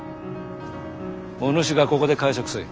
お主がここで介錯せい。